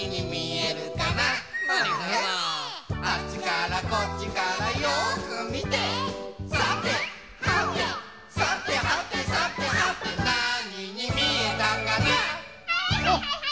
あっちからこっちからよくみてさてはてさてはてさてはてなににみえたかなはい！